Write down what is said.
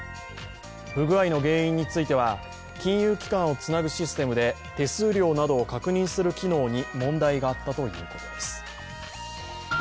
不具合の原因については、金融機関をつなぐシステムで手数料などを確認する機能に問題があったということです。